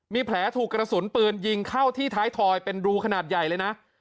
มีแผลถูกกระสุนปืนยิงเข้าที่ท้ายถอยเป็นรูขนาดใหญ่เลยนะ